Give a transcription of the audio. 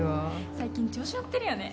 最近調子乗ってるよね